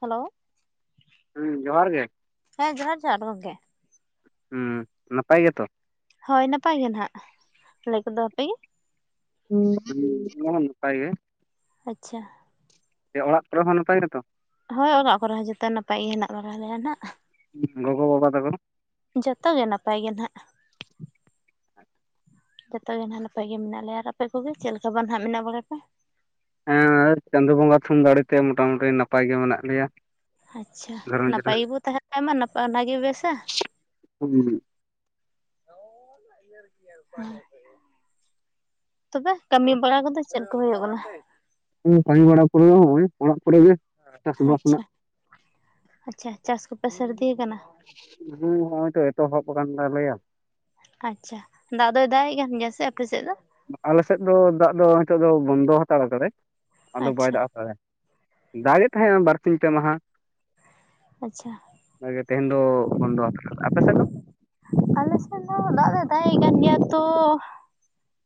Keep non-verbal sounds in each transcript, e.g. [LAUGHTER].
Hello ᱦᱩᱸ ᱡᱚᱦᱟᱨ ᱜᱮ, ᱦᱮᱸ ᱡᱚᱦᱟᱨ ᱡᱚᱦᱟᱨ ᱜᱚᱢᱠᱮ ᱦᱩᱸ ᱱᱟᱯᱟᱭ ᱜᱮ ᱛᱚ, ᱦᱚᱭ ᱱᱟᱯᱟᱭ ᱜᱮ ᱱᱷᱟᱜ, ᱟᱞᱮ ᱠᱚᱫᱚ ᱟᱯᱮ ᱜᱮ, ᱦᱩᱸ ᱟᱞᱮ ᱦᱚᱸ ᱱᱟᱯᱟᱭ ᱜᱮ, ᱟᱪᱪᱷᱟ ᱡᱮ ᱚᱲᱟᱜ ᱠᱚᱨᱮ ᱦᱚᱸ ᱱᱟᱯᱟᱭ ᱜᱮᱛᱚ, ᱦᱳᱭ ᱚᱲᱟᱜ ᱠᱚᱨᱮ ᱦᱚᱸ ᱡᱚᱛᱚ ᱱᱟᱯᱟᱭ ᱜᱮ ᱦᱮᱱᱟᱜ ᱵᱚᱱᱟ ᱱᱟᱼᱦᱟᱸᱜ, ᱜᱚᱜᱚ ᱵᱟᱵᱟ ᱛᱟᱠᱚ, ᱡᱚᱛᱚ ᱜᱮ ᱱᱟᱯᱟᱭ ᱜᱮ ᱱᱷᱟᱸᱜ, ᱡᱚᱛᱚ ᱜᱮ ᱱᱟᱼᱦᱟᱸᱜ ᱱᱟᱯᱟᱭ ᱜᱮ ᱢᱮᱱᱟᱜ ᱞᱮᱭᱟ ᱟᱨ ᱟᱯᱮ ᱠᱚᱜᱮ ᱪᱮᱫ ᱞᱮᱠᱟ ᱵᱟᱝ ᱦᱟᱸᱜ ᱢᱮᱱᱟᱜ ᱵᱟᱲᱟ ᱯᱮ, ᱦᱮᱸ ᱪᱟᱸᱫᱳ ᱵᱚᱸᱜᱟ ᱛᱷᱩᱢ ᱫᱟᱲᱮ ᱛᱮ ᱢᱚᱴᱟᱢᱩᱴᱤ ᱱᱟᱯᱟᱭ ᱜᱮ ᱢᱮᱱᱟᱜ ᱞᱮᱭᱟ, ᱟᱪᱪᱷᱟ ᱜᱷᱟᱨᱚᱸᱡᱽ ᱨᱮ ᱱᱟᱯᱟᱭ ᱜᱮᱵᱚ ᱛᱟᱦᱮᱸ [UNINTELLIGIBLE] ᱚᱱᱟᱜᱮ ᱵᱮᱥᱟ, [INAUDIBLE] ᱛᱚᱵᱮ ᱠᱟᱹᱢᱤ ᱵᱟᱲᱟ ᱠᱚᱫᱚ ᱪᱮᱫ ᱠᱚ ᱦᱩᱭᱩᱜ ᱠᱟᱱᱟ? ᱠᱟᱹᱢᱤ ᱵᱟᱲᱟ ᱠᱚᱫᱚ ᱱᱚᱜ-ᱚᱭ ᱚᱲᱟᱜ ᱠᱚᱨᱮ ᱜᱮ, ᱪᱟᱥᱵᱟᱥ ᱟᱪᱪᱷᱟ ᱨᱮᱱᱟᱜ ᱟᱪᱪᱷᱟ ᱪᱟᱥ ᱠᱚᱯᱮ ᱥᱟᱹᱨᱫᱤ ᱟᱠᱟᱱᱟ, ᱦᱩᱸ ᱱᱚᱜᱼᱚᱭ ᱛᱚ ᱮᱛᱚᱦᱚᱵ ᱠᱟᱱ ᱛᱟᱞᱮᱭᱟ, ᱟᱪᱪᱷᱟ ᱫᱟᱜ ᱫᱚᱭ ᱫᱟᱜ ᱮ ᱠᱟᱱ ᱜᱮᱭᱟ ᱥᱮ ᱟᱯᱮᱥᱮᱫ ᱫᱚ? ᱟᱞᱮ ᱥᱮᱫ ᱫᱚ ᱫᱟᱜ ᱫᱚ ᱱᱤᱛᱚᱜ ᱫᱚ ᱵᱚᱱᱫᱚ ᱦᱟᱛᱟᱲ ᱟᱠᱟᱫᱟᱭ ᱟᱫᱚ ᱵᱟᱭ ᱟᱪᱪᱷᱟ ᱫᱟᱜ ᱦᱟᱛᱟᱲᱟ, ᱫᱟᱜᱮᱫ ᱛᱟᱦᱮᱸᱱᱟ ᱵᱟᱨᱥᱤᱧ ᱯᱮ ᱢᱟᱦᱟ, ᱟᱪᱪᱷᱟ, ᱚᱱᱟᱜᱮ ᱛᱮᱦᱮᱧ ᱫᱚ ᱵᱚᱱᱫᱚ ᱟᱯᱮ ᱥᱮᱫ ᱫᱚ, ᱟᱞᱮ ᱥᱮᱫ ᱫᱚ ᱫᱟᱜ ᱫᱚᱭ ᱫᱟᱜ ᱮᱜ ᱠᱟᱱ ᱜᱮᱭᱟ ᱛᱚ,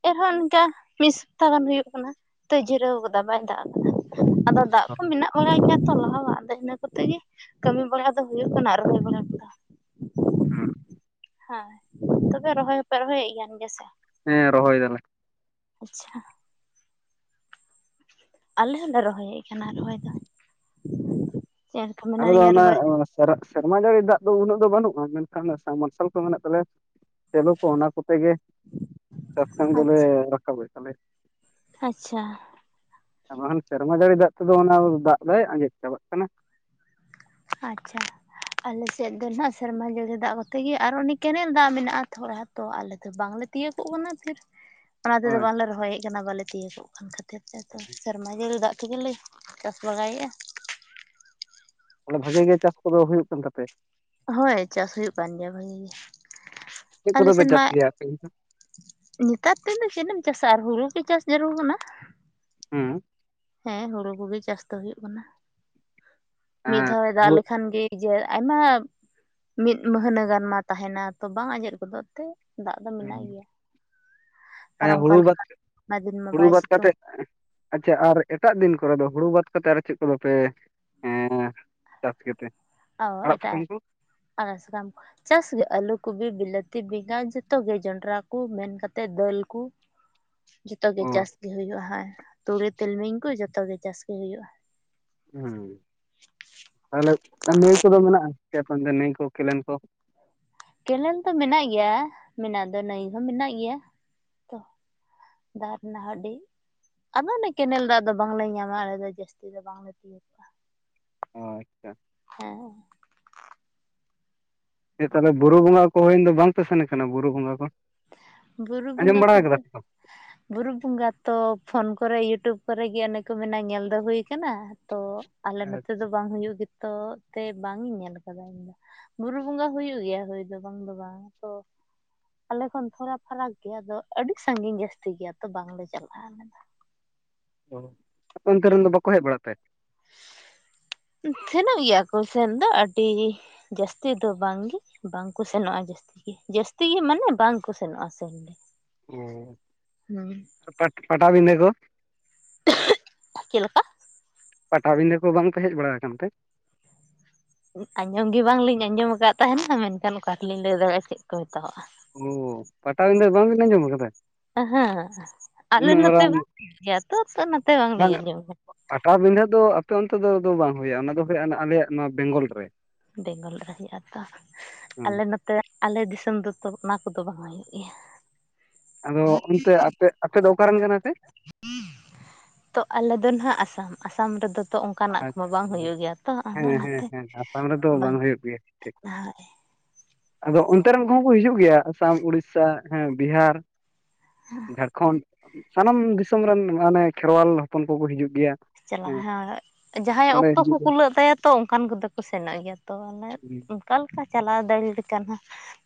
ᱮᱱᱦᱚᱸ ᱚᱱᱠᱟ ᱢᱤᱫ ᱥᱚᱯᱛᱟ ᱜᱟᱱ ᱦᱩᱭᱩᱜ ᱠᱟᱱᱟ, ᱱᱤᱛᱳᱜ ᱡᱤᱨᱟᱹᱣ ᱠᱟᱫᱟ ᱵᱟᱭ ᱫᱟᱜ ᱠᱟᱫᱟ ᱟᱫᱚ, ᱫᱟᱜ ᱠᱚ ᱢᱮᱱᱟᱜ ᱵᱟᱲᱟᱭ ᱜᱮᱭᱟ ᱛᱚ ᱞᱟᱦᱟᱣᱟ ᱟᱫᱚ ᱤᱱᱟᱹ ᱠᱚᱛᱮ ᱜᱮ ᱠᱟᱹᱢᱤ ᱵᱟᱲᱟ ᱫᱚ ᱦᱩᱭᱩᱜ ᱠᱟᱱᱟ ᱨᱚᱦᱚᱭ ᱵᱟᱲᱟ ᱠᱚᱫᱚ, [INAUDIBLE] ᱦᱮᱸ ᱛᱚᱵᱮ ᱨᱚᱦᱚᱭ ᱦᱚᱸᱯᱮ ᱨᱚᱦᱚᱭᱮᱫ ᱜᱮᱭᱟᱱ ᱜᱮ ᱥᱮ, ᱦᱮᱸ ᱨᱚᱦᱚᱭ ᱫᱟᱞᱮ, ᱟᱪᱪᱷᱟ, ᱟᱞᱮ ᱦᱚᱸᱞᱮ ᱨᱚᱦᱚᱭᱮᱫ ᱠᱟᱱᱟ ᱨᱚᱦᱚᱭ ᱫᱚ, ᱪᱮᱫ ᱞᱮᱠᱟ ᱢᱮᱱᱟᱜ ᱟᱞᱮ ᱫᱚ ᱱᱤᱭᱟᱹ ᱨᱚᱦᱚᱭ ᱚᱱᱮ ᱥᱮᱨᱮᱧ ᱥᱮᱨᱢᱟ ᱡᱟᱹᱲᱤ ᱫᱟᱜ ᱫᱚ ᱩᱱᱟᱹᱜ ᱫᱚ ᱵᱟᱹᱱᱩᱜᱼᱟ ᱢᱮᱱᱠᱷᱟᱱ ᱥᱟᱵ ᱢᱟᱨᱥᱟᱞ ᱠᱚ ᱢᱮᱱᱟᱜ ᱛᱟᱞᱮᱭᱟ, ᱥᱮᱞᱳ ᱠᱚ ᱚᱱᱟ ᱠᱚᱛᱮ ᱜᱮ ᱪᱟᱥ ᱠᱟᱹᱢᱤ ᱫᱚᱞᱮ ᱟᱪᱪᱷᱟ ᱨᱟᱠᱟᱵᱮᱫ ᱛᱟᱞᱮᱭᱟ, ᱟᱪᱪᱷᱟ ᱟᱨ ᱵᱟᱠᱷᱟᱱ ᱥᱮᱨᱢᱟ ᱡᱟᱹᱲᱤ ᱫᱟᱜ ᱛᱮᱫᱚ ᱚᱱᱟ ᱫᱟᱜ ᱫᱟᱭ ᱟᱸᱡᱮᱫ ᱪᱟᱵᱟᱜ ᱠᱟᱱᱟ, ᱟᱪᱪᱷᱟ᱾ ᱟᱞᱮ ᱥᱮᱫ ᱫᱚ ᱱᱟᱦᱟᱜ ᱥᱮᱨᱢᱟ ᱡᱟᱹᱲᱤ ᱫᱟᱜ ᱠᱚᱛᱮ ᱜᱮ ᱟᱨ ᱚᱱᱮ ᱠᱮᱱᱮᱞ ᱫᱟᱜ ᱢᱮᱱᱟᱜᱼᱟ ᱛᱷᱚᱲᱟ ᱛᱚ ᱟᱞᱮ ᱫᱚ ᱵᱟᱝᱞᱮ ᱛᱤᱭᱳᱟᱹᱜᱚᱜ ᱠᱟᱱᱟ ᱯᱷᱤᱨ [INAUDIBLE] ᱚᱱᱟ ᱛᱮᱫᱚ ᱵᱟᱝᱞᱮ ᱨᱚᱦᱚᱭᱮᱫ ᱠᱟᱱᱟ ᱵᱟᱞᱮ ᱛᱤᱭᱳᱜ ᱠᱟᱱ ᱠᱷᱟᱹᱛᱤᱨ ᱛᱮ ᱛᱚ, ᱥᱮᱨᱢᱟ ᱡᱟᱹᱲᱤ ᱫᱟᱜ ᱛᱮᱜᱮ ᱞᱮ ᱪᱟᱥ ᱵᱟᱲᱟᱭᱮᱜᱼᱟ᱾ ᱚᱸᱰᱮ ᱵᱷᱟᱜᱤ ᱜᱮ ᱪᱟᱥ ᱠᱚᱫᱚ ᱦᱩᱭᱩᱜ ᱠᱟᱱ ᱛᱟᱯᱮᱭᱟ? ᱦᱳᱭ ᱪᱟᱥ ᱦᱩᱭᱩᱜ ᱠᱟᱱ ᱜᱮᱭᱟ ᱵᱷᱟᱹᱜᱤ ᱜᱮ ᱪᱮᱫ ᱾ ᱟᱞᱮ ᱠᱚᱫᱚ ᱯᱮ ᱥᱮᱱ ᱪᱟᱥ ᱢᱟᱭ ᱜᱮᱭᱟ ᱟᱯᱮ ᱫᱚ ᱱᱮᱛᱟᱨ ᱫᱤᱱ ᱫᱚ ᱪᱮᱫ ᱮᱢ ᱪᱟᱥᱟ ᱟᱨ ᱦᱩᱲᱩ ᱜᱮ ᱪᱟᱥ ᱡᱟᱹᱨᱩᱲ ᱠᱟᱱᱟ᱾ ᱦᱩᱸ᱾ ᱦᱮᱸ ᱦᱩᱲᱩ ᱠᱚᱜᱮ ᱪᱟᱥ ᱫᱚ ᱦᱩᱭᱩᱜ ᱠᱟᱱᱟ᱾ ᱢᱤᱫ ᱫᱷᱟᱣᱮ ᱫᱟᱜ ᱦᱩᱲᱩ ᱞᱮᱠᱷᱟᱱ ᱜᱮ ᱤᱡᱟᱹ ᱟᱭᱢᱟ, ᱢᱤᱫ ᱢᱟᱹᱦᱟᱹᱱᱟᱹ ᱜᱟᱱ ᱢᱟ ᱛᱟᱦᱮᱸᱱᱟ ᱛᱚ ᱵᱟᱝ ᱟᱸᱡᱮᱫ ᱜᱚᱫᱚᱜ ᱛᱮ, ᱫᱟᱜ ᱫᱚ ᱢᱮᱱᱟᱜ ᱜᱮᱭᱟ, ᱟᱨ ᱦᱮᱸ ᱚᱱᱠᱟ ᱦᱩᱲᱩ ᱵᱟᱫ ᱞᱮᱠᱟ [INAUDIBLE] ᱟᱭᱢᱟ ᱫᱤᱱ ᱢᱟ ᱦᱩᱲᱩ ᱵᱟᱭ ᱵᱟᱫ ᱥᱤᱛᱩᱝ᱾ ᱠᱟᱛᱮᱫ ᱟᱪᱪᱷᱟ ᱟᱨ ᱮᱴᱟᱜ ᱫᱤᱱ ᱠᱚᱨᱮ ᱫᱚ ᱦᱩᱲᱩ ᱵᱟᱫ ᱠᱟᱛᱮᱫ ᱟᱨ ᱪᱮᱫ ᱠᱚᱫᱚ ᱯᱮ ᱮᱸᱻ ᱪᱟᱥ ᱜᱮᱛᱮ? ᱚᱻ ᱟᱲᱟᱜ ᱥᱟᱠᱟᱢ ᱮᱴᱟᱜ, ᱠᱚ ᱟᱞᱮ ᱥᱮᱫᱟᱢ ᱪᱟᱥ ᱜᱮ ᱟᱹᱞᱩ, ᱠᱚᱵᱤ, ᱵᱤᱞᱟᱹᱛᱤ, ᱵᱮᱸᱜᱟᱲ ᱡᱷᱚᱛᱚᱜ ᱜᱮ ᱡᱚᱱᱰᱨᱟ ᱠᱚ ᱢᱮᱱ ᱠᱟᱛᱮᱫ ᱫᱟᱹᱞ ᱠᱩ᱾ [INAUDIBLE] ᱡᱚᱛᱚ ᱜᱮ ᱪᱟᱥ ᱜᱮ ᱦᱩᱭᱩᱜᱼᱟ ᱦᱟᱸᱭ᱾ ᱛᱩᱲᱤ, ᱛᱤᱞᱢᱤᱧ ᱠᱚ ᱡᱚᱛᱚ ᱜᱮ ᱪᱟᱥ ᱜᱮ ᱦᱩᱭᱩᱜᱼᱟ᱾ ᱦᱩᱸ, ᱛᱟᱦᱞᱮ ᱱᱟᱹᱭ ᱠᱚᱫᱚ ᱢᱮᱱᱟᱜᱼᱟ ᱪᱮᱫ ᱟᱯᱮ ᱚᱱᱛᱮ ᱱᱟᱹᱭ ᱠᱚ, ‌ᱠᱮᱞᱮᱱ ᱠᱚ? ᱠᱮᱱᱮᱞ ᱫᱚ ᱢᱮᱱᱟᱜ ᱜᱮᱭᱟ ᱢᱮᱱᱟᱜ ᱫᱚ ᱱᱟᱹᱭᱤ ᱦᱚᱸ ᱢᱮᱱᱟᱜ ᱜᱮᱭᱟ, ᱛᱚ ᱫᱟᱜ ᱨᱮᱱᱟᱜ [UNINTELLIGIBLE] ᱟᱫᱚ ᱚᱱᱮ ᱠᱮᱱᱮᱞ ᱫᱟᱜ ᱫᱚ ᱵᱟᱝᱞᱮ ᱧᱟᱢᱟ ᱟᱞᱮ ᱫᱚ ᱡᱟᱹᱥᱛᱤ ᱫᱚ ᱵᱟᱝᱞᱮ ᱛᱤᱭᱳ ᱚᱸ ᱟᱪᱪᱷᱟ᱾ ᱦᱮᱸ᱾ ᱦᱮ ᱛᱟᱦᱚᱞᱮ ᱵᱩᱨᱩ ᱵᱚᱸᱜᱟ ᱠᱚ ᱦᱩᱭᱮᱱ ᱫᱚ ᱵᱟᱝᱯᱮ ᱥᱮᱱ ᱠᱟᱱᱟ ᱵᱩᱨᱩ ᱵᱚᱸᱜᱟ ᱠᱚ? ᱵᱩᱨᱩ ᱟᱸᱡᱚᱢ ᱵᱚᱸᱜᱟ ᱵᱟᱲᱟ ᱟᱠᱟᱫᱟ ᱠᱚᱫᱚ, ᱯᱮ ᱵᱟᱝ? ᱵᱩᱨᱩ ᱵᱚᱸᱜᱟ ᱛᱚ ᱯᱷᱳᱱ ᱠᱚᱨᱮ ᱤᱭᱩᱴᱩᱵ ᱠᱚᱨᱮᱜᱮ ᱚᱱᱮ ᱠᱚ ᱢᱮᱱᱟ ᱧᱮᱞ ᱫᱚ ᱦᱩᱭ ᱠᱟᱱᱟ, ᱛᱚ ᱟᱞᱮ ᱱᱚᱛᱮ ᱫᱚ ᱵᱟᱝ ᱦᱩᱭᱩᱜ ᱜᱮᱛᱚ ᱛᱮ ᱵᱟᱝ ᱤᱧ ᱧᱮᱞ ᱟᱠᱟᱫᱟ ᱤᱧᱫᱚ᱾ ᱵᱩᱨᱩ ᱵᱚᱸᱜᱟ ᱦᱩᱭᱩᱜ ᱜᱮᱭᱟ ᱦᱩᱭ ᱫᱚ ᱵᱟᱝ ᱫᱚ ᱵᱟᱝ ᱛᱚ, ᱟᱞᱮ ᱠᱷᱚᱱ ᱛᱷᱚᱲᱟ ᱯᱷᱟᱨᱟᱠ ᱜᱮᱭᱟ ᱟᱫᱚ ᱟᱹᱰᱤ ᱥᱟᱺᱜᱤᱧ ᱡᱟᱹᱥᱛᱤ ᱜᱮᱭᱟ ᱛᱚ ᱵᱟᱝᱞᱮ ᱪᱟᱞᱟᱜᱼᱟ ᱟᱞᱮ ᱫᱚ᱾ ᱚ, ᱟᱯᱮ ᱚᱱᱛᱮ ᱦᱩᱸ ᱨᱮᱱ ᱫᱚ ᱵᱟᱠᱚ ᱦᱮᱡ ᱵᱟᱲᱟᱜ ᱛᱮ? ᱥᱮᱱᱚᱜ ᱜᱮᱭᱟ ᱠᱚ ᱥᱮᱱ ᱫᱚ ᱟᱹᱰᱤ ᱡᱟᱹᱥᱛᱤ ᱫᱚ ᱵᱟᱝᱜᱮ ᱵᱟᱝᱠᱚ ᱥᱮᱱᱚᱜᱼᱟ ᱡᱟᱹᱥ ᱛᱤ ᱜᱮ, ᱡᱟᱥᱛᱤ ᱜᱮ ᱢᱟᱱᱮ ᱵᱟᱝ ᱠᱚ ᱥᱮᱱᱚᱜᱼᱟ ᱥᱮᱱ ᱜᱮ᱾ ᱚᱻ᱾ ᱦᱩᱸ᱾ ᱯᱟᱴ ᱯᱟᱴᱟᱵᱤᱸᱫᱷᱟᱸ ᱠᱚ? ᱪᱮᱫ ᱞᱮᱠᱟ? ᱯᱟᱴᱟᱵᱤᱸᱰᱟᱹ ᱠᱚ ᱵᱟᱝ ᱯᱮ ᱦᱮᱡ ᱵᱟᱲᱟ ᱟᱠᱟᱱ ᱛᱮ? ᱟᱸᱡᱚᱢ ᱜᱮ ᱵᱟᱝᱞᱤᱧ ᱟᱸᱡᱚᱢ ᱟᱠᱟᱫ ᱛᱟᱦᱮᱸᱱᱟ ᱢᱮᱱᱠᱷᱟᱱ ᱚᱠᱟ ᱨᱮᱞᱤᱧ ᱞᱟᱹᱭ ᱫᱟᱲᱮᱭᱟᱜᱼᱟ ᱪᱮᱫ ᱠᱚ ᱢᱮᱛᱟᱣᱟᱜᱼᱟ᱾ ᱚ ᱯᱟᱴᱟᱵᱤᱸᱫᱟᱹ ᱵᱟᱝ ᱵᱤᱱ ᱟᱸᱡᱚᱢ ᱟᱠᱟᱫᱟ? ᱚᱸ ᱦᱟᱹᱜ, ᱟᱞᱮ ᱩᱱᱟᱹᱜ ᱱᱚᱛᱮ ᱢᱟᱨᱟᱝ ᱵᱟᱝ ᱦᱩᱭᱩᱜ ᱜᱮᱭᱟ ᱛᱚ ᱛᱚ ᱱᱚᱛᱮ ᱵᱟᱝ ᱞᱤᱧ ᱟᱸᱡᱚᱢᱟ᱾ ᱯᱟᱴᱟᱵᱤᱸᱰᱟᱹ ᱫᱚ ᱟᱯᱮ ᱚᱱᱛᱮ ᱫᱚ ᱵᱟᱝ ᱦᱩᱭᱩᱜᱼᱟ ᱚᱱᱟ ᱫᱚ ᱦᱩᱭᱩᱜᱼᱟ ᱟᱞᱮᱭᱟᱜ ᱱᱚᱣᱟ ᱵᱮᱝᱜᱚᱞ ᱨᱮ᱾ ᱵᱮᱝᱜᱚᱞ ᱨᱮ ᱦᱩᱭᱩᱜ-ᱟ ᱛᱚ, ᱦᱮᱸ ᱟᱞᱮ ᱱᱚ ᱟᱞᱮ ᱫᱤᱥᱚᱢ ᱫᱚᱛᱚ ᱚᱱᱟ ᱠᱚᱫᱚ ᱵᱟᱝ ᱦᱩᱭᱩᱜ ᱜᱮᱭᱟ, ᱟᱫᱚ ᱚᱱᱛᱮ ᱟᱯᱮ ᱟᱯᱮ ᱫᱚ ᱚᱠᱟᱨᱮᱱ ᱠᱟᱱᱟ ᱯᱮ, ᱛᱚ ᱟᱞᱮ ᱫᱚ ᱱᱷᱟᱜ ᱟᱥᱟᱢ ᱟᱥᱟᱢ ᱨᱮᱫᱚ, ᱛᱚ ᱚᱱᱠᱟᱱᱟᱜ ᱠᱚᱢᱟ ᱵᱟᱝ ᱟᱪᱪᱷᱟ ᱦᱩᱭᱩᱜ ᱜᱮᱭᱟ ᱛᱚ ᱟᱫᱚ ᱦᱮᱸ ᱦᱮᱸ ᱚᱱᱟᱛᱮ ᱦᱮᱸ ᱟᱥᱟᱢ ᱨᱮᱫᱚ ᱵᱟᱝ [INAUDIBLE] ᱦᱩᱭᱩᱜ ᱜᱮᱭᱟ ᱴᱷᱤᱠ ᱟᱫᱚ ᱚᱱᱛᱮ ᱨᱤᱱ ᱠᱚᱦᱚᱸ ᱠᱚ ᱦᱤᱡᱩᱜ ᱜᱮᱭᱟ ᱟᱥᱟᱢ ᱩᱲᱤᱥᱥᱟ ᱦᱮᱸ ᱵᱤᱦᱟᱨ, ᱡᱷᱟᱲᱠᱷᱚᱸᱰ ᱥᱟᱱᱟᱢ ᱫᱤᱥᱚᱢ ᱨᱮᱱ ᱢᱟᱱᱮ ᱠᱷᱮᱨᱣᱟᱞ ᱦᱚᱯᱚᱱ ᱠᱚᱠᱚ ᱦᱤᱡᱩᱜ ᱜᱮᱭᱟ, ᱪᱟᱞᱟᱜ ᱦᱮᱸ ᱡᱟᱦᱟᱸᱭᱟᱜ ᱱᱚᱸᱰᱮ ᱚᱠᱛᱚ ᱠᱚ ᱦᱤᱡᱩᱜ ᱜᱮ ᱠᱩᱞᱟᱹᱜ ᱛᱟᱭᱟ ᱛᱚ ᱚᱱᱠᱟᱱ ᱠᱚᱫᱚ ᱠᱚ ᱥᱮᱱᱚᱜ ᱜᱮᱭᱟ ᱛᱚ ᱢᱟᱱᱮ, ᱚᱠᱟᱞᱮᱠᱟ ᱪᱟᱞᱟᱣ ᱫᱟᱲᱮ ᱞᱮᱠᱟᱱ ᱦᱚᱸ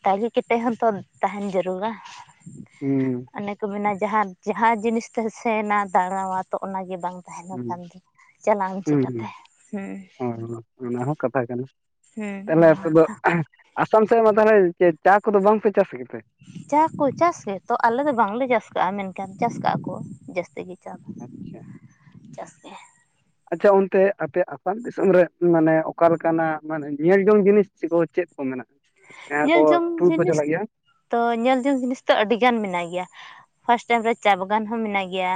ᱫᱟᱲᱮ ᱠᱟᱛᱮᱫ ᱦᱚᱸᱛᱚ ᱛᱟᱦᱮᱸᱱ ᱡᱟᱹᱨᱩᱲᱟ, ᱦᱩᱸ, ᱚᱱᱮ ᱠᱚ ᱢᱮᱱᱟ ᱡᱟᱦᱟᱸ ᱡᱟᱦᱟᱸ ᱡᱤᱱᱤᱥ ᱛᱮ ᱥᱮᱱᱟ ᱫᱟᱬᱟ ᱛᱚ ᱚᱱᱟᱜᱮ ᱵᱟᱝ ᱛᱟᱦᱮᱸᱱᱟ ᱦᱩᱸ ᱪᱟᱞᱟᱜ ᱟᱢ ᱦᱩᱸ ᱦᱩᱸ ᱪᱤᱠᱟᱛᱮ ᱦᱩᱸ ᱚᱱᱟ ᱦᱚᱸ ᱠᱟᱛᱷᱟ ᱠᱟᱱᱟ ᱦᱮᱸ ᱛᱟᱦᱚᱞᱮ ᱚᱱᱟ ᱟᱯᱮ ᱫᱚ, ᱠᱟᱛᱷᱟ ᱟᱥᱟᱢ ᱥᱮᱫ ᱢᱟ ᱛᱟᱦᱚᱞᱮ ᱪᱟ ᱠᱚᱫᱚ ᱵᱟᱝᱯᱮ ᱪᱟᱥ ᱠᱮᱫ ᱛᱮ, ᱪᱟ ᱠᱚ ᱪᱟᱥ ᱜᱮᱛᱚ ᱟᱞᱮ ᱫᱚ ᱵᱟᱝᱞᱮ ᱪᱟᱥ ᱠᱟᱜᱼᱟ ᱢᱮᱱᱠᱷᱟᱱ ᱪᱟᱥ ᱠᱟᱜᱼᱟ ᱠᱚ ᱡᱟᱹᱥᱛᱤ ᱜᱮ, ᱪᱟ ᱫᱚ ᱟᱪᱪᱷᱟ, ᱪᱟᱥ ᱜᱮ ᱟᱪᱪᱷᱟ ᱚᱱᱛᱮ ᱟᱯᱮ ᱟᱥᱟᱢ ᱫᱤᱥᱚᱢ ᱨᱮ ᱢᱟᱱᱮ ᱚᱠᱟ ᱞᱮᱠᱟᱱᱟᱜ ᱢᱟᱱᱮ ᱧᱮᱞ ᱡᱚᱝ ᱡᱤᱱᱤᱥ ᱫᱚ ᱠᱚ ᱪᱮᱫ ᱠᱚ ᱢᱮᱱᱟᱜᱼᱟ, ᱡᱟᱦᱟᱸᱭ ᱠᱚ ᱧᱮᱞ ᱡᱚᱝ ᱴᱩᱨ ᱠᱚ ᱡᱤᱱᱤᱥ ᱪᱟᱞᱟᱜ ᱜᱮᱭᱟ, ᱛᱚ ᱧᱮᱞ ᱡᱚᱝ ᱡᱤᱱᱤᱥ ᱫᱚ ᱟᱹᱰᱤ ᱜᱟᱱ ᱢᱮᱱᱟᱜ ᱜᱮᱭᱟ ᱯᱷᱟᱥᱴ ᱴᱟᱭᱤᱢ ᱨᱮ ᱪᱟ ᱵᱟᱜᱟᱱ ᱦᱚᱸ ᱢᱮᱱᱟᱜ ᱜᱮᱭᱟ,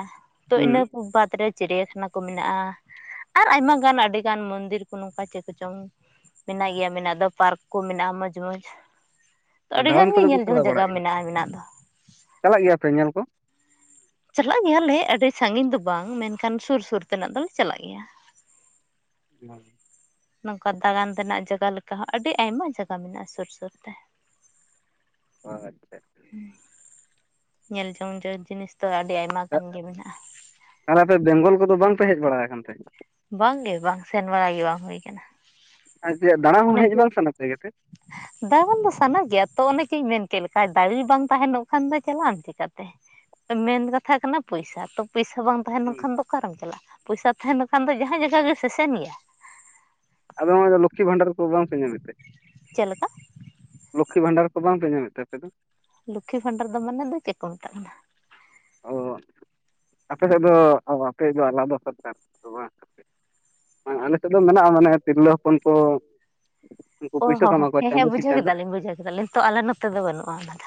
ᱛᱚ ᱦᱩᱸ ᱤᱱᱟᱹ ᱠᱚ ᱵᱟᱫᱽ ᱨᱮ ᱪᱤᱲᱭᱟᱠᱷᱟᱱᱟ ᱠᱚ ᱢᱮᱱᱟᱜᱼᱟ, ᱟᱨ ᱟᱭᱢᱟ ᱜᱟᱱ ᱟᱹᱰᱤᱜᱟᱱ ᱢᱚᱱᱫᱤᱨ ᱠᱚ ᱱᱚᱝᱠᱟ ᱪᱮᱫ ᱠᱚᱪᱚᱝ, ᱢᱮᱱᱟᱜ ᱜᱮᱭᱟ ᱢᱮᱱᱟᱜ ᱫᱚ ᱯᱟᱨᱠ ᱠᱚ ᱢᱮᱱᱟᱜᱼᱟ ᱢᱚᱸᱡᱽ ᱢᱚᱸᱡᱽ, ᱛᱚ ᱟᱹᱰᱤ ᱫᱟᱬᱟᱱ ᱜᱟᱱ ᱜᱮ ᱠᱚᱫᱚ ᱯᱮ ᱧᱮᱞ ᱡᱚᱝ ᱪᱟᱞᱟᱣ ᱡᱟᱭᱜᱟ ᱵᱟᱲᱟᱜ ᱜᱮᱭᱟ ᱢᱮᱱᱟᱜᱼᱟ ᱢᱮᱱᱟᱜ ᱫᱚ, ᱪᱟᱞᱟᱜ ᱜᱮᱭᱟ ᱯᱮ ᱧᱮᱞ ᱠᱚ, ᱪᱟᱞᱟᱜ ᱜᱮᱭᱟᱞᱮ ᱟᱹᱰᱤ ᱥᱟᱺᱜᱤᱧ ᱫᱚ ᱵᱟᱝ ᱢᱮᱱᱠᱷᱟᱱ ᱥᱩᱨᱼᱥᱩᱨ ᱛᱮᱱᱟᱜ ᱫᱚᱞᱮ ᱪᱟᱞᱟᱜ ᱜᱮᱭᱟ, [UNINTELLIGIBLE] ᱱᱚᱝᱠᱟ ᱫᱟᱬᱟᱱ ᱨᱮᱱᱟᱜ ᱡᱟᱭᱜᱟ ᱞᱮᱠᱟ ᱦᱚᱸ ᱟᱹᱰᱤ ᱟᱭᱢᱟ ᱡᱟᱭᱜᱟ ᱢᱮᱱᱟᱜᱼᱟ ᱥᱩᱨ ᱥᱩᱨ ᱛᱮ, ᱚ ᱟᱪᱪᱷᱟ, ᱧᱮᱞ ᱡᱚᱝ ᱡᱚᱝ ᱡᱤᱱᱤᱥ ᱫᱚ ᱟᱹᱰᱤ ᱟᱭᱢᱟ ᱜᱟᱱ ᱜᱮ ᱢᱮᱱᱟᱜᱼᱟ, ᱟᱨ ᱟᱯᱮ ᱵᱮᱝᱜᱚᱞ ᱠᱚᱫᱚ ᱵᱟᱝᱯᱮ ᱦᱮᱡ ᱵᱟᱲᱟ ᱟᱠᱟᱱ ᱛᱮ? ᱵᱟᱝᱜᱮ ᱵᱟᱝ ᱥᱮᱱ ᱵᱟᱲᱟ ᱜᱮ ᱵᱟᱝ ᱦᱩᱭ ᱟᱠᱟᱱᱟ, ᱟᱨ ᱡᱮ ᱫᱟᱬᱟ ᱦᱚᱸ ᱚᱱᱮ ᱦᱮᱡ ᱠᱚ ᱵᱟᱝ ᱥᱟᱱᱟ ᱯᱮ ᱜᱮ ᱛᱮ, ᱫᱟᱬᱟᱱ ᱫᱚ ᱥᱟᱱᱟ ᱜᱮᱭᱟ ᱛᱚ ᱚᱱᱮ ᱪᱮᱫ ᱤᱧ ᱢᱮᱱ ᱠᱮᱫ ᱞᱮᱠᱟ ᱫᱟᱲᱮ ᱵᱟᱝ ᱛᱟᱦᱮᱱᱚᱜ ᱠᱷᱟᱱ ᱫᱚ ᱪᱟᱞᱟᱜ ᱟᱢ ᱪᱮᱠᱟᱛᱮ, ᱢᱮᱱ ᱠᱟᱛᱷᱟ ᱦᱳᱭᱳᱜ ᱠᱟᱱᱟ ᱯᱚᱭᱥᱟ ᱛᱚ ᱯᱚᱭᱥᱟ ᱵᱟᱝ, ᱛᱟᱦᱮᱱ ᱠᱷᱟᱱ ᱫᱚ ᱚᱠᱟᱨᱮᱢ ᱪᱟᱞᱟᱜᱼᱟ ᱯᱚᱭᱥᱟ ᱛᱟᱦᱮᱱᱠᱷᱟᱱ ᱫᱚ ᱡᱟᱦᱟᱸ ᱡᱟᱭᱜᱟ ᱜᱮ ᱥᱮᱥᱮᱱ ᱜᱮᱭᱟ, ᱟᱫᱚ ᱱᱚᱜᱚᱭ ᱞᱚᱠᱠᱷᱤ ᱵᱷᱟᱱᱰᱟᱨ ᱠᱚ ᱵᱟᱝ ᱯᱮ ᱧᱟᱢᱮᱫ ᱛᱮ, ᱪᱮᱫ ᱞᱮᱠᱟ ᱞᱚᱠᱠᱷ ᱵᱷᱟᱱᱰᱟᱨ ᱠᱚ ᱵᱟᱝᱯᱮ ᱧᱟᱢᱮᱫ ᱛᱮ ᱟᱯᱮ ᱫᱚ, ᱞᱚᱠᱠᱷᱤ ᱵᱷᱟᱱᱰᱟᱨ ᱫᱚ ᱢᱟᱱᱮ ᱫᱚ ᱪᱮᱫ ᱠᱚ ᱢᱮᱛᱟᱜ ᱠᱟᱱᱟ, ᱚ ᱟᱯᱮ ᱥᱮᱫ ᱫᱚ ᱟᱯᱮ ᱫᱚ ᱟᱞᱟᱫᱟ ᱥᱚᱨᱠᱟᱨ ᱛᱚ ᱵᱟᱝ, ᱟᱨ ᱟᱞᱮ ᱥᱮᱫ ᱫᱚ ᱢᱮᱱᱟᱜᱼᱟ ᱢᱟᱱᱮ ᱛᱤᱨᱞᱟᱹ ᱦᱚ ᱚ ᱦᱚᱸ ᱠᱟᱢᱟᱣ ᱠᱚᱣᱟ ᱦᱮᱸ ᱪᱟᱸᱫᱳ ᱦᱮᱸ ᱠᱤ ᱵᱩᱡᱷᱟᱹᱣ ᱪᱟᱸᱫᱳ ᱠᱮᱫᱟᱞᱤᱧ ᱵᱩᱡᱷᱟᱹᱣ ᱠᱮᱫᱟᱞᱤᱧ, ᱛᱚ ᱟᱞᱮ ᱱᱚᱛᱮ ᱫᱚ ᱵᱟᱹᱱᱩᱜᱼᱟ ᱚᱱᱟᱫᱚ,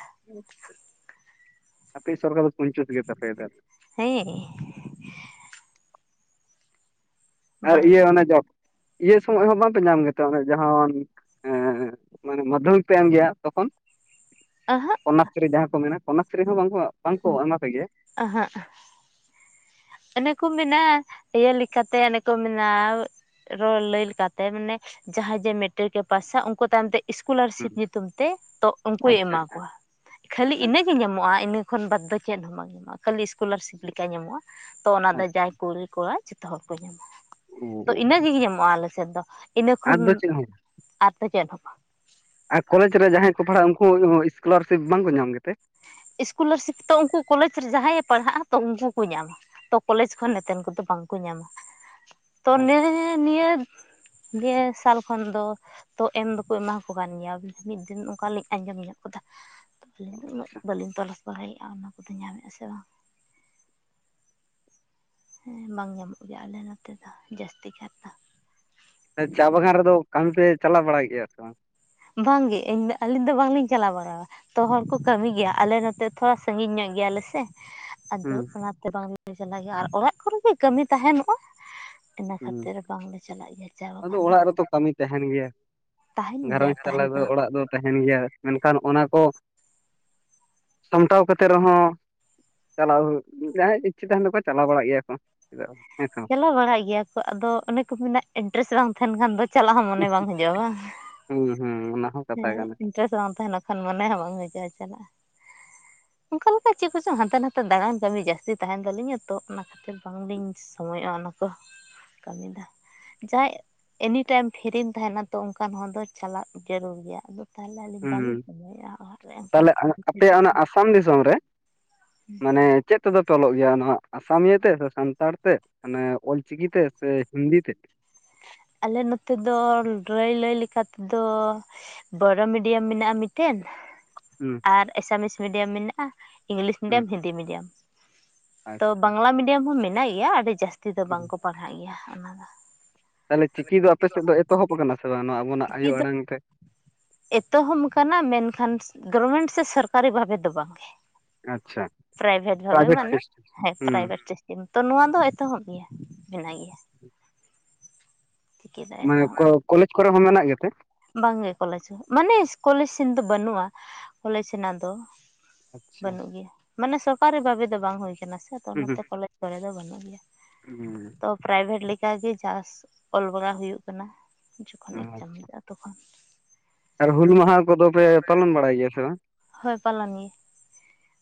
ᱟᱯᱮ ᱭᱤᱡ ᱥᱚᱨᱠᱟᱨ ᱫᱚ ᱠᱩᱧᱡᱩᱥ ᱜᱮ ᱛᱟᱯᱮᱭᱟ ᱛᱟᱦᱞᱮ, ᱦᱮᱸ ᱟᱨ ᱵᱟᱝ ᱤᱭᱟᱹ ᱚᱱᱮ ᱡᱚ ᱤᱭᱟᱹ ᱥᱚᱢᱚᱭ ᱦᱚᱸ ᱵᱟᱝᱯᱮ ᱧᱟᱢ ᱜᱮᱛᱮ ᱚᱱᱮ ᱡᱟᱦᱟᱱ, ᱦᱮᱸᱻ, ᱢᱟᱱᱮ, ᱢᱟᱫᱽᱫᱷᱚᱢᱤᱠ ᱯᱮ, ᱮᱢ ᱜᱮᱭᱟ ᱾ ᱛᱚᱠᱷᱚᱱ ᱟᱼᱦᱟᱸᱜ ᱾ ᱠᱚᱱᱱᱟᱠᱥᱨᱤ, ᱡᱟᱦᱟᱸ ᱠᱚ ᱢᱮᱱᱟ ᱾ ᱠᱚᱱᱱᱟᱠᱥᱨᱤ ᱦᱚᱸ, ᱵᱟᱝ, ᱵᱟᱝ ᱠᱚ ᱮᱢᱟ ᱯᱮ ᱜᱮᱭᱟ ᱾ ᱟᱼᱦᱟᱸᱜ ᱾ ᱮᱱᱮ ᱠᱚ, ᱢᱮᱱᱟ ᱤᱭᱟᱹ ᱞᱮᱠᱟᱛᱮ, ᱮᱱᱮ ᱠᱚ ᱢᱮᱱᱟ ᱾ ᱨᱚᱲ ᱞᱟᱹᱭ ᱞᱮᱠᱟᱛᱮ, ᱢᱟᱱᱮ! ᱡᱟᱦᱟᱸᱭ ᱡᱮ, ᱢᱮᱴᱨᱤᱠ ᱮ ᱯᱟᱥᱟ ᱾ ᱩᱱᱠᱩ ᱛᱟᱭᱚᱢ ᱛᱮ, ᱦᱩᱸ ᱤᱥᱠᱩᱞᱟᱨᱥᱤᱯ ᱧᱩᱛᱩᱢ ᱛᱮ, ᱴᱚᱠᱚᱢ ᱠᱚ ᱟᱪᱪᱷᱟ ᱦᱮᱸ ᱮᱢᱟᱢᱟ ᱾ ᱠᱷᱟᱹᱞᱤ ᱤᱱᱟᱹ ᱜᱮ, ᱟᱪᱪᱷᱟ ᱧᱟᱢᱚᱜᱼᱟ ᱤᱱᱟᱹ ᱾ ᱠᱷᱚᱱ ᱵᱟᱫᱽ ᱫᱚ, ᱪᱮᱫ ᱦᱚᱸ ᱵᱟᱝ ᱧᱟᱢᱚᱜᱼᱟ ᱾ ᱠᱷᱟᱹᱞᱤ ᱤᱥᱠᱩᱞᱟᱨᱥᱤᱯ ᱞᱮᱠᱟ ᱧᱟᱢᱚᱜᱼᱟ ᱾ ᱧᱟᱢᱚᱜᱼᱟ ᱾ ᱛᱚ ᱚᱱᱟ ᱫᱚ, ᱟᱪᱪᱷᱟ ᱡᱟᱭ ᱠᱳᱞ ᱠᱚᱣᱟ ᱡᱷᱚᱛᱚ ᱦᱚᱲ ᱠᱚ, ᱧᱟᱢᱟ ᱾ ᱛᱚ, ᱚ ᱤᱱᱟᱹᱜᱮ, ᱧᱟᱢᱚᱜᱼᱟ ᱾ ᱟᱞᱮ ᱥᱮᱫ ᱫᱚ ᱾ ᱤᱱᱟᱹ ᱟᱨ ᱠᱷᱚᱱ, ᱫᱚ ᱪᱮᱫ ᱦᱚᱸ ᱟᱨᱫᱚ ᱪᱮᱫ ᱦᱚᱸ ᱵᱟᱝ? ᱟᱨ, ᱠᱚᱞᱮᱡᱽ ᱨᱮ ᱡᱟᱦᱟᱸᱭ ᱠᱚ, ᱯᱟᱲᱦᱟᱜᱼᱟ ᱾ ᱩᱱᱠᱩ ᱤᱥᱠᱚᱞᱟᱨᱥᱤᱯ ᱵᱟᱝᱠᱚ ᱧᱟᱢ ᱜᱮᱛᱮ? ᱤᱥᱠᱚᱞᱟᱨᱥᱤᱯ ᱛᱚ, ᱩᱱᱠᱩ ᱠᱚᱞᱮᱡᱽ ᱨᱮ ᱡᱟᱦᱟᱸᱭᱮ ᱯᱟᱲᱦᱟᱜᱼᱟ ᱾ ᱛᱚ, ᱩᱱᱠᱩ ᱠᱚ ᱧᱟᱢᱟ ᱾ ᱛᱚ, ᱠᱚᱞᱮᱡᱽ ᱠᱷᱚᱱ ᱱᱮᱛᱮᱱ ᱠᱚᱫᱚ ᱵᱟᱝ ᱾ ᱠᱚ ᱧᱟᱢᱟ ᱾ ᱛᱚ, ᱟᱪᱪᱷᱟ ᱱᱮ ᱱᱤᱭᱟᱹ, ᱱᱤᱭᱟᱹ ᱥᱟᱞ ᱠᱷᱚᱱ ᱫᱚ ᱛᱚ, ᱮᱢ ᱫᱚᱠᱚ ᱮᱢᱟᱠᱚ ᱠᱟᱱ ᱜᱮᱭᱟ ᱾ ᱢᱤᱫ ᱫᱤᱱ ᱚᱱᱠᱟ ᱞᱤᱧ ᱟᱸᱡᱚᱢ ᱧᱚᱜ ᱠᱟᱫᱟ [INAUDIBLE] ᱵᱟᱹᱞᱤᱧ, ᱛᱚᱞᱟᱥ ᱵᱟᱲᱟᱭᱮᱜᱼᱟ ᱾ ᱚᱱᱟ ᱠᱚᱫᱚ, ᱧᱟᱢᱮᱜᱼᱟ ᱥᱮ ᱵᱟᱝ? ᱦᱩᱸᱻ, ᱵᱟᱝ ᱧᱟᱢᱚᱜ ᱜᱮᱭᱟ ᱾ ᱟᱞᱮ ᱱᱚᱛᱮ ᱫᱚ, ᱡᱟᱹᱥᱛᱤ ᱠᱟᱨ ᱫᱚ ᱾ ᱪᱟ, ᱵᱟᱜᱟᱱ ᱨᱮᱫᱚ, ᱠᱟᱹᱢᱤ ᱯᱮ, ᱪᱟᱞᱟᱣ ᱵᱟᱲᱟᱭ ᱜᱮᱭᱟ, ᱥᱮ ᱵᱟᱝ? ᱵᱟᱝ ᱜᱮ, ᱤᱧ ᱫᱚ, ᱟᱹᱞᱤᱧ ᱫᱚ, ᱵᱟᱝᱞᱤᱧ ᱪᱟᱞᱟᱣ ᱵᱟᱲᱟᱦᱟ ᱾ ᱛᱚ ᱦᱚᱲ ᱠᱚ, ᱠᱟᱹᱢᱤ ᱜᱮᱭᱟ ᱾ ᱟᱞᱮ ᱱᱚᱛᱮ, ᱛᱷᱚᱲᱟ ᱥᱟᱺᱜᱤᱧ ᱧᱚᱜ, ᱜᱮᱭᱟ ᱞᱮ ᱥᱮ ᱾ ᱟᱫᱚ, ᱦᱩᱸ ᱚᱱᱟ ᱛᱮ ᱵᱟᱝ ᱞᱮ, ᱪᱟᱞᱟᱜ ᱜᱮᱭᱟ ᱾ ᱟᱨ ᱚᱲᱟᱜ ᱠᱚᱨᱮ ᱜᱮ, ᱠᱟᱹᱢᱤ ᱛᱟᱦᱮᱱᱚᱜᱼᱟ ᱾ ᱤᱱᱟᱹ ᱦᱩᱸ ᱠᱷᱟᱹᱛᱤᱨ, ᱵᱟᱝ ᱞᱮ, ᱪᱟᱞᱟᱜ ᱜᱮᱭᱟ, ᱪᱟ ᱟᱫᱚ ᱵᱟᱜᱟᱱ ᱫᱚ ᱚᱲᱟᱜ ᱨᱮᱛᱚ ᱠᱟᱹᱢᱤ ᱾ ᱛᱟᱦᱮᱱ ᱜᱮᱭᱟ ᱪᱟᱞᱟᱣ ᱜᱚ [INAUDIBLE] ᱫᱚ, ᱚᱲᱟᱜ ᱫᱚ, ᱛᱟᱦᱮᱱ ᱜᱮᱭᱟ ᱾ ᱢᱮᱱᱠᱷᱟᱱ ᱚᱱᱟ ᱠᱚ ᱥᱟᱢᱴᱟᱣ ᱠᱟᱛᱮ ᱨᱮᱦᱚᱸ ᱪᱟᱞᱟᱣ ᱦᱩᱭᱩᱜ, ᱡᱟᱦᱟᱸᱭ ᱤᱪᱪᱷᱟᱹ, ᱛᱟᱦᱮᱱ ᱛᱟᱠᱚᱣᱟ, ᱪᱟᱞᱟᱣ ᱵᱟᱲᱟᱜ ᱜᱮᱭᱟ ᱠᱚ, ᱪᱮᱫᱟᱜ ᱵᱟᱝ, ᱦᱮᱸ ᱥᱮ? ᱵᱟᱝ ᱪᱚᱞᱟᱣ ᱵᱟᱲᱟᱜ ᱜᱮᱭᱟ ᱠᱚ, ᱟᱫᱚ ᱚᱱᱮ ᱠᱚ ᱢᱮᱱᱟ, ᱮᱰᱰᱨᱮᱥ ᱵᱟᱝ ᱛᱟᱦᱮᱱ ᱠᱷᱟᱱ, ᱫᱚ ᱪᱟᱞᱟᱜ ᱦᱚᱸ, ᱢᱚᱱᱮ ᱵᱟᱝ ᱦᱤᱡᱩᱜᱼᱟ ᱾ ᱦᱩᱸᱻ, ᱦᱩᱸᱻ, ᱚᱱᱟ ᱦᱚ ᱾ ᱦᱮᱸ, ᱤᱱᱴᱟᱨᱮᱥᱴ ᱵᱟᱝ, ᱛᱟᱦᱮᱱᱟ ᱠᱷᱟᱱ, ᱢᱚᱱᱮ ᱦᱚᱸ, ᱵᱟᱝ ᱦᱤᱡᱩᱜᱼᱟ? ᱪᱟᱞᱟᱜ ᱾ ᱚᱱᱠᱟ, ᱞᱮᱠᱟ ᱪᱮᱫ ᱠᱚᱪᱚᱝ, ᱦᱟᱱᱛᱮ ᱱᱟᱛᱮ, ᱫᱟᱬᱟᱱ ᱠᱟᱹᱢᱤ, ᱡᱟᱹᱥᱛᱤ ᱛᱟᱦᱮᱱ ᱛᱟᱞᱤᱧᱟ ᱛᱚ, ᱚᱱᱟ [INAUDIBLE] ᱵᱟᱝᱞᱤᱧ ᱥᱚᱢᱚᱭᱚᱜᱼᱟ, ᱚᱱᱟ ᱠᱚ ᱾ ᱠᱟᱹᱢᱤ ᱫᱟ, ᱡᱟᱸᱦᱟᱭ ᱮᱱᱤ ᱴᱟᱭᱤᱢ, ᱯᱷᱨᱤᱢ ᱛᱟᱦᱮᱱᱟ ᱛᱚ, ᱚᱱᱠᱟᱱ ᱦᱚᱲ ᱫᱚ ᱪᱟᱞᱟᱜ ᱡᱟᱹᱨᱩᱲ ᱜᱮᱭᱟ ᱾ ᱟᱫᱚ, ᱛᱟᱦᱚᱞᱮ ᱟᱹᱞᱤᱧ, ᱦᱩᱸ ᱵᱟᱞᱤᱧ ᱥᱚᱢᱚᱭᱮᱜᱼᱟ ᱾ ᱚᱲᱟᱜ ᱨᱮ ᱚᱱᱠᱟ, ᱛᱟᱦᱚᱞᱮ ᱠᱟᱹᱢᱤ, ᱟᱯᱮᱭᱟᱜ ᱪᱮᱫ ᱚᱱᱟ ᱦᱩᱸ ᱾ ᱟᱥᱟᱢ ᱫᱤᱥᱚᱢ ᱨᱮ ᱢᱟᱱᱮ ᱪᱮᱫ ᱛᱮᱫᱚ? ᱛᱚᱞᱚᱜ ᱜᱮᱭᱟ ᱱᱷᱟᱜ ᱾ ᱟᱥᱟᱢᱤᱭᱟᱹ ᱛᱮ, ᱥᱮ ᱥᱟᱱᱛᱟᱲ ᱛᱮ, ᱢᱟᱱᱮ ᱚᱞᱪᱤᱠᱤ ᱛᱮ, ᱥᱮ ᱦᱤᱱᱫᱤ ᱛᱮ? ᱟᱞᱮ ᱱᱚᱛᱮ ᱫᱚ, ᱰᱨᱟ. ᱭ ᱞᱟᱹᱭ ᱞᱮᱠᱟ ᱛᱮᱫᱚ ᱵᱚᱨᱚ ᱢᱤᱰᱤᱭᱟᱢ ᱢᱮᱱᱟᱜᱼᱟ, ᱢᱤᱫᱴᱮᱱ ᱦᱩᱸᱻ [INAUDIBLE] ᱟᱨ, ᱮᱥᱟᱢᱤᱥ ᱢᱤᱰᱤᱭᱟᱢ ᱢᱮᱱᱟᱜᱼᱟ ᱾ ᱤᱝᱞᱤᱥ ᱦᱩᱸ ᱢᱤᱰᱤᱭᱟᱢ, ᱤᱱᱫᱤ ᱢᱤᱰᱤᱭᱟᱢ ᱾ ᱛᱚ, ᱟᱪᱪᱷᱟ ᱵᱟᱝᱞᱟ ᱢᱤᱰᱤᱭᱟᱢ ᱦᱚᱸ, ᱢᱮᱱᱟᱜ ᱜᱮᱭᱟ ᱾ ᱟᱹᱰᱤ ᱡᱟᱹᱥᱛᱤ ᱫᱚ, ᱵᱟᱝ ᱦᱩᱸ ᱠᱚ ᱯᱟᱲᱦᱟᱜ ᱜᱮᱭᱟ, ᱚᱱᱟ ᱫᱚ ᱾ ᱛᱟᱦᱚᱞᱮ, ᱪᱤᱠᱤ ᱫᱚ, ᱟᱯᱮ ᱥᱮᱫ ᱫᱚ, ᱮᱛᱚᱦᱚᱵ ᱟᱠᱟᱱᱟ ᱥᱮ ᱵᱟᱝ? ᱱᱚᱣᱟ ᱟᱵᱚᱱᱟᱜ, ᱟᱭᱳ ᱟᱲᱟᱝ ᱛᱮ ᱾ ᱮᱛᱚᱦᱚᱢ ᱟᱠᱟᱱᱟ, ᱢᱮᱱᱠᱷᱟᱱ ᱜᱚᱨᱢᱮᱱᱴ, ᱥᱮ ᱥᱚᱨᱠᱟᱨᱤ ᱵᱷᱟᱵᱮ ᱫᱚ ᱵᱟᱝ ᱜᱮ? ᱟᱪᱪᱷᱟ ᱯᱨᱟᱭᱵᱷᱮᱴ ᱵᱷᱟᱵᱮ, ᱢᱟᱱᱮ, ᱥᱤᱥᱴᱮᱢ ᱦᱮᱸ! ᱦᱩᱸ ᱯᱨᱟᱭᱵᱷᱮᱴ ᱪᱮ ᱠᱤᱱᱛᱚ, ᱱᱚᱣᱟ ᱫᱚ ᱮᱛᱚᱦᱚᱵ ᱜᱮᱭᱟ ᱾ ᱢᱮᱱᱟᱜ ᱜᱮᱭᱟ ᱾ [INAUDIBLE] ᱫᱚ ᱢᱟᱱᱮ ᱠᱚᱞᱮᱡᱽ ᱠᱚᱨᱮ ᱦᱚᱸ ᱢᱮᱱᱟᱜ ᱜᱮᱛᱮ? ᱵᱟᱝ ᱜᱮ ᱠᱚᱞᱮᱡᱽ ᱦᱚᱸ ᱢᱟᱱᱮ ᱠᱚᱞᱮᱡᱽ ᱥᱮᱱ ᱫᱚ ᱵᱟᱹᱱᱩᱜᱼᱟ, ᱠᱚᱞᱮᱡᱽ ᱨᱮᱱᱟᱜ ᱫᱚ᱾ ᱟᱪᱪᱷᱟ ᱵᱟᱹᱱᱩᱜ ᱜᱮᱭᱟ ᱢᱟᱱᱮ ᱥᱚᱨᱠᱟᱨᱤ ᱵᱷᱟᱵᱮ ᱫᱚ ᱵᱟᱝ ᱦᱩᱭ ᱠᱟᱱᱟ ᱥᱮ᱾ ᱛᱚ ᱦᱩᱸ ᱚᱱᱟᱛᱮ ᱠᱚᱞᱮᱡᱽ ᱠᱚᱨᱮ ᱫᱚ ᱵᱟᱹᱱᱩᱜ ᱜᱮᱭᱟ ᱦᱩᱸ ᱛᱚ ᱯᱨᱟᱭᱵᱷᱮᱴ ᱞᱮᱠᱟᱟᱜ ᱜᱮ ᱪᱟᱥ, ᱚᱞ ᱵᱟᱲᱟ ᱦᱳᱭᱳᱜ ᱠᱟᱱᱟ ᱡᱚᱠᱷᱚᱱ ᱦᱩᱸ ᱮᱠᱡᱟᱢ ᱦᱳᱭᱳᱜ-ᱟ ᱛᱚᱠᱷᱚᱱ, ᱟᱨ ᱦᱩᱞ ᱢᱟᱦᱟ ᱠᱚᱫᱚ ᱯᱮ ᱯᱟᱞᱚᱱ ᱵᱟᱲᱟᱭ ᱜᱮᱭᱟ ᱥᱮ ᱵᱟᱝ? ᱦᱳᱭ ᱯᱟᱞᱚᱱ ᱜᱮ᱾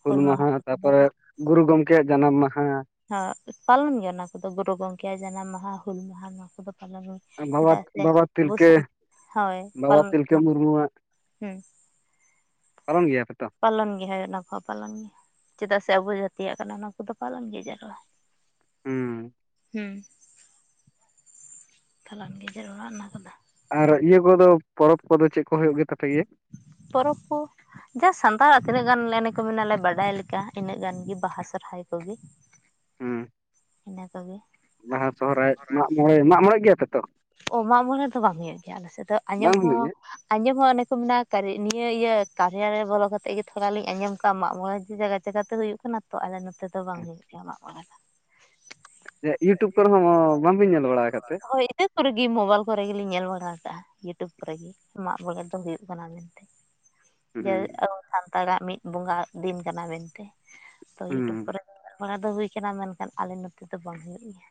ᱦᱩᱞ ᱢᱟᱦᱟ ᱛᱟᱨ ᱯᱚᱨᱮ ᱜᱩᱨᱩ ᱜᱚᱢᱠᱮ ᱭᱟᱜ ᱡᱟᱱᱟᱢ ᱢᱟᱦᱟ᱾ ᱦᱟᱸ ᱯᱟᱞᱚᱱ ᱜᱮᱭᱟ, ᱚᱱᱟ ᱠᱚᱫᱚ ᱜᱩᱨᱩ ᱜᱚᱢᱠᱮ ᱭᱟᱜ ᱡᱟᱱᱟᱢ ᱢᱟᱦᱟ, ᱦᱩᱞ ᱢᱟᱦᱟ ᱱᱚᱣᱟ ᱠᱚᱫᱚ ᱯᱟᱞᱚᱱ ᱜᱮᱭᱟ᱾ ᱵᱟᱵᱟ ᱵᱟᱵᱟ ᱛᱤᱞᱠᱟᱹ ᱦᱳᱭ ᱵᱟᱵᱟ ᱯᱟᱞᱚᱱ ᱛᱤᱞᱠᱟᱹ ᱢᱩᱨᱢᱩᱣᱟᱜ, ᱦᱩᱸ ᱯᱟᱞᱚᱱ ᱜᱮᱭᱟ ᱯᱮ ᱛᱚ᱾ ᱯᱟᱞᱚᱱ ᱜᱮ ᱦᱳ ᱚᱱᱟ ᱠᱚᱦᱚᱸ ᱯᱟᱞᱚᱱ ᱜᱮᱭᱟ ᱚᱱᱟ ᱠᱚ ᱯᱞᱚᱱ ᱜᱮᱭᱟ ᱪᱮᱫᱟᱜ ᱥᱮ ᱟᱵᱚ ᱡᱟᱛᱤᱭᱟᱜ ᱠᱟᱱᱟ, ᱚᱱᱟ ᱠᱚᱫᱚ ᱯᱟᱞᱚᱱ ᱜᱮ ᱡᱟᱹᱨᱩᱨᱟ᱾ ᱦᱩᱸ ᱦᱩᱸ ᱛᱟᱞᱟᱱ ᱡᱮ ᱡᱟᱨ ᱚᱲᱟᱜ ᱢᱮᱱᱟᱜ ᱟᱠᱟᱫᱟ, ᱟᱨ ᱤᱭᱟᱹ ᱠᱚᱫᱚ ᱯᱚᱨᱚᱵᱽ ᱠᱚᱫᱚ ᱪᱮᱫ ᱠᱚ ᱦᱩᱭᱩᱜ ᱜᱮ ᱛᱟᱯᱮ ᱜᱮᱭᱟ? ᱯᱚᱨᱚᱵᱽ ᱠᱚ ᱡᱟ ᱥᱟᱱᱛᱟᱲᱟᱜ ᱛᱤᱱᱟᱹᱜ ᱜᱟᱱ ᱮᱱᱮ ᱠᱚ ᱢᱮᱱᱟᱞᱮ ᱵᱟᱰᱟᱭ ᱞᱮᱠᱟ ᱤᱱᱟᱹᱜ ᱜᱟᱱ ᱜᱮ ᱵᱟᱦᱟ, ᱥᱚᱨᱦᱟᱭ ᱠᱚᱜᱮ᱾ ᱦᱩᱸ ᱤᱱᱟᱹ ᱠᱚᱜᱮ, ᱵᱟᱦᱟ, ᱥᱚᱦᱚᱨᱟᱭ, ᱢᱟᱜ ᱢᱚᱬᱮ, ᱢᱟᱜᱼᱢᱚᱬᱮᱜ ᱜᱮᱭᱟ ᱯᱮ ᱛᱚ, ᱚ ᱢᱟᱜ ᱢᱚᱲᱮ ᱨᱮ ᱫᱚ ᱵᱟᱝ ᱦᱩᱭᱩᱜ ᱜᱮᱭᱟ ᱟᱞᱮ ᱥᱮᱫ ᱫᱚ ᱟᱸᱡᱚᱢ ᱵᱟᱝ ᱦᱩᱭᱩᱜ ᱦᱚᱸ᱾ ᱜᱮᱭᱟ ᱟᱸᱡᱚᱢ ᱦᱚᱸ ᱚᱱᱮ ᱠᱚ ᱢᱮᱱᱟᱜᱼᱟ ᱠᱚ ᱱᱤᱭᱟᱹ ᱤᱭᱟᱹ ᱠᱟᱨᱭᱟ ᱨᱮ ᱵᱚᱞᱚ ᱠᱟᱛᱮᱜ ᱜᱮ ᱛᱷᱚᱲᱟᱤᱧ ᱟᱸᱡᱚᱢ ᱠᱟᱜᱼᱟ ᱢᱟᱜ ᱢᱚᱬᱮ ᱡᱟᱭᱜᱟ, ᱪᱮᱠᱟᱛᱮ ᱦᱩᱭᱩᱜ ᱠᱟᱱᱟ ᱛᱚ, ᱟᱞᱮ ᱱᱚᱛᱮ ᱫᱚ ᱵᱟᱝ ᱦᱩᱭᱩᱜ ᱜᱮᱭᱟ ᱢᱟᱜ ᱢᱚᱬᱮ ᱫᱚ᱾ ᱮ ᱤᱭᱩᱴᱩᱵᱽ ᱠᱚᱨᱮ ᱦᱚᱸ ᱵᱟᱝ ᱵᱤᱱ ᱧᱮᱞ ᱵᱟᱲᱟ ᱠᱟᱜ ᱛᱮ? ᱱᱮᱴ ᱠᱚᱨᱮᱜᱮ ᱢᱳᱵᱟᱭᱤᱞ ᱠᱚᱨᱮ ᱜᱮᱞᱤᱧ ᱧᱮᱞ ᱵᱟᱲᱟ ᱟᱠᱟᱟᱜᱼᱟ᱾ ᱤᱭᱩᱴᱩᱵᱽ ᱠᱚᱨᱮᱜ ᱜᱮ ᱢᱟᱜ ᱢᱚᱬᱮ ᱫᱚ ᱦᱩᱭᱩᱜ ᱠᱟᱱᱟ ᱢᱮᱱᱛᱮ᱾ [UNINTELLIGIBLE] ᱡᱮ ᱟᱵᱚ ᱥᱟᱱᱛᱟᱲᱟᱜ ᱢᱤᱫ ᱵᱚᱸᱜᱟ ᱫᱤᱱ ᱠᱟᱱᱟ ᱢᱮᱱᱛᱮ ᱛᱚ ᱦᱩᱸ ᱤᱭᱩᱴᱩᱵᱽ ᱠᱚᱨᱮ, ᱧᱮᱞ ᱵᱟᱲᱟ ᱫᱚ ᱦᱩᱭ ᱠᱟᱱᱟ ᱢᱮᱱᱠᱷᱟᱱ ᱟᱞᱮ ᱱᱚᱛᱮ ᱫᱚ ᱵᱟᱝ ᱦᱩᱭᱩᱜ ᱜᱮᱭᱟ᱾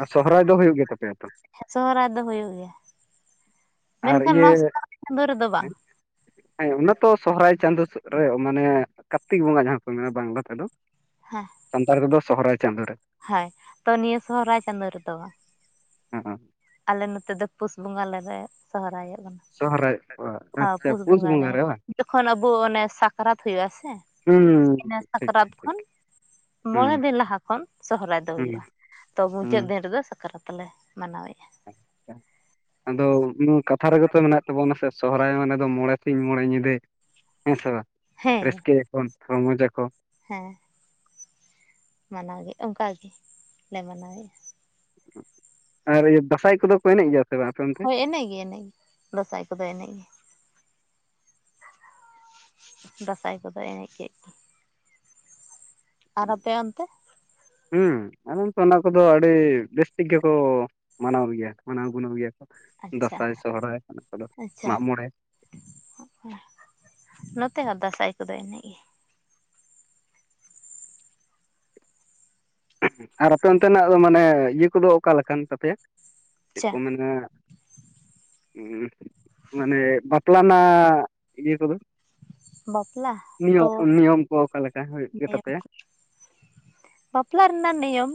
ᱟᱨ ᱥᱚᱦᱚᱨᱟᱭ ᱫᱚ ᱦᱩᱭᱩᱜ ᱜᱮ ᱛᱟᱯᱮᱭᱟ ᱛᱚ? ᱥᱚᱦᱚᱨᱟᱭ ᱫᱚ ᱦᱩᱭᱩᱜ ᱜᱮᱭᱟ᱾ ᱟᱨ ᱢᱮᱱᱠᱷᱟᱱ ᱤᱭᱟᱹ ᱱᱚᱣᱟ ᱥᱟᱠᱨᱟᱛ ᱪᱟᱸᱫᱳ ᱨᱮᱫᱚ ᱵᱟᱝ, ᱦᱮᱸ ᱚᱱᱟ ᱛᱚ ᱥᱚᱦᱚᱨᱟᱭ ᱪᱟᱸᱫᱳ ᱥᱮᱫ ᱨᱮ ᱨᱮ ᱢᱟᱱᱮ, ᱠᱟᱨᱛᱤᱠ ᱵᱚᱸᱜᱟ ᱡᱟᱦᱟᱸ ᱠᱚ ᱢᱮᱱᱟ ᱵᱟᱝᱞᱟ ᱛᱮᱫᱚ᱾ ᱦᱮᱸ ᱥᱟᱱᱛᱟᱲ ᱠᱚᱫᱚ ᱥᱚᱦᱚᱨᱟᱭ ᱪᱟᱸᱫᱳ ᱨᱮ, ᱦᱳᱭ ᱛᱚ ᱱᱤᱭᱟᱹ ᱥᱚᱦᱚᱨᱟᱭ ᱪᱟᱸᱫᱚ ᱨᱮᱫᱚ ᱵᱟᱝ, [INAUDIBLE] ᱟᱞᱮ ᱱᱚᱛᱮ ᱫᱚ ᱯᱩᱥ ᱵᱚᱸᱜᱟ ᱞᱮ ᱨᱮ ᱥᱚᱦᱨᱟᱭᱚᱜᱼᱟ᱾ ᱥᱚᱦᱚᱨᱟᱭ ᱟᱪᱪᱷᱟ ᱯᱩᱥ ᱵᱚᱸᱜᱟ ᱨᱮ ᱵᱟᱝ, ᱡᱚᱠᱷᱚᱱ ᱟᱵᱚ ᱚᱱᱮ ᱥᱟᱠᱨᱟᱛ ᱦᱩᱭᱩᱜ-ᱟ ᱥᱮ ᱦᱩᱸ ᱤᱱᱟᱹ ᱴᱷᱤᱠ ᱥᱟᱠᱨᱟᱛ ᱴᱷᱤᱠ ᱠᱷᱚᱱ, ᱦᱩᱸ ᱢᱚᱬᱮ ᱫᱤᱱ ᱞᱟᱦᱟ ᱠᱷᱚᱱ ᱥᱚᱦᱨᱟᱭ ᱫᱚ ᱦᱩᱸ ᱦᱩᱭᱩᱜᱼᱟ ᱛᱚ, ᱦᱩᱸ ᱢᱩᱪᱟᱹᱫ ᱫᱤᱱ ᱨᱮᱫᱚ ᱥᱟᱠᱨᱟᱛ᱾ ᱞᱮ ᱢᱟᱱᱟᱣᱮᱫ, ᱟᱪᱪᱷᱟ, ᱟᱫᱚ ᱠᱟᱛᱷᱟ ᱨᱮᱜᱮ ᱛᱚ ᱢᱮᱱᱟᱜ ᱛᱟᱵᱚᱱᱟ ᱥᱮ ᱥᱚᱦᱚᱨᱟᱭ ᱢᱟᱱᱮ ᱫᱚ ᱢᱚᱬᱮ ᱥᱤᱧ ᱢᱚᱬᱮ ᱧᱤᱫᱟᱹ᱾ ᱦᱮᱸ ᱥᱮ ᱵᱟᱝ ᱦᱮᱸ ᱨᱟᱹᱥᱠᱟᱹᱭᱟᱠᱚ ᱨᱚᱢᱚᱡᱽ ᱟᱠᱚ᱾ ᱦᱮᱸ ᱢᱟᱱᱟᱣ ᱜᱮ ᱚᱱᱠᱟ ᱜᱮᱞᱮ ᱢᱟᱱᱟᱣᱮᱫᱼᱟ᱾ ᱟᱨ ᱫᱟᱸᱥᱟᱭ ᱠᱚᱫᱚ ᱠᱚ ᱮᱱᱮᱡ ᱜᱮᱭᱟ ᱥᱮ ᱵᱟᱝ ᱟᱯᱮ ᱚᱱᱛᱮ? ᱱᱮᱜ ᱜᱮᱭᱟ ᱱᱮᱜ ᱜᱮ ᱫᱟᱸᱥᱟᱭ ᱠᱚᱫᱚ ᱮᱱᱮᱡ ᱜᱮ᱾ ᱫᱟᱸᱥᱟᱭ ᱠᱚᱫᱚ ᱮᱱᱮᱡ ᱠᱮᱜ ᱟᱨ ᱟᱯᱮ ᱚᱱᱛᱮ? ᱦᱩᱸ ᱟᱞᱮ ᱱᱚᱸᱛᱮ ᱚᱱᱟ ᱠᱚᱫᱚ ᱟᱹᱰᱤ ᱵᱮᱥ ᱴᱷᱤᱠ ᱜᱮᱠᱚ᱾ ᱢᱟᱱᱟᱣ ᱜᱮᱭᱟ ᱢᱟᱱᱟᱣ ᱜᱩᱱᱟᱹᱣ ᱜᱮᱭᱟ ᱠᱚ ᱟᱪᱪᱷᱟ ᱫᱟᱸᱥᱟᱭ, ᱥᱚᱦᱨᱟᱭ, ᱚᱱᱟ ᱠᱚᱫᱚ ᱟᱪᱪᱷᱟ ᱢᱟᱜ ᱢᱚᱬᱮ ᱱᱚᱛᱮ ᱦᱚᱸ ᱫᱟᱸᱥᱟᱭ ᱠᱚᱫᱚ ᱮᱱᱮᱡ ᱜᱮ᱾ ᱟᱨ ᱟᱯᱮ ᱚᱱᱛᱮᱱᱟᱜ ᱫᱚ ᱢᱟᱱᱮ ᱤᱭᱟᱹ ᱠᱚᱫᱚ ᱚᱠᱟ ᱞᱮᱠᱟᱱ ᱛᱟᱯᱮᱭᱟ ᱪᱮᱜ ᱟᱪᱪᱷᱟ ᱠᱚ ᱢᱮᱱᱟ᱾ ᱢᱟᱱᱮ ᱵᱟᱯᱞᱟ ᱱᱟᱜ ᱤᱭᱟᱹ ᱠᱚᱫᱚ ᱵᱟᱯᱞᱟ ᱛᱚ ᱱᱤᱭᱚᱜ ᱱᱤᱭᱚᱢ ᱠᱚ ᱚᱠᱟᱞᱮᱠᱟ ᱦᱳᱭᱳᱜ ᱜᱮ ᱛᱟᱯᱮ ᱵᱟᱯᱞᱟ ᱨᱮᱱᱟᱜ ᱱᱤᱭᱚᱢ